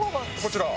こちら？